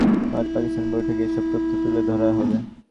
আগামী মাসে দিল্লিতে অনুষ্ঠেয় ভারত-পাকিস্তান বৈঠকে এসব তথ্য তুলে ধরা হবে।